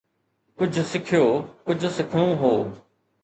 ڪجهه سکيو، ڪجهه سکڻو هو